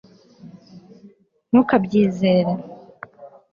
ntukabyizere